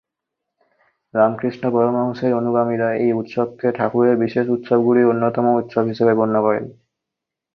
রামকৃষ্ণ পরমহংসের অনুগামীরা এই উৎসবকে "ঠাকুরের বিশেষ উৎসব"গুলির অন্যতম উৎসব হিসেবে গণ্য করেন।